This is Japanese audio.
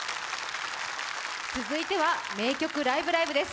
続いては、「名曲ライブ！ライブ！」です。